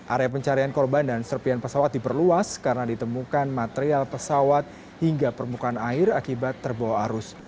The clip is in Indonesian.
area pencarian korban dan serpian pesawat diperluas karena ditemukan material pesawat hingga permukaan air akibat terbawa arus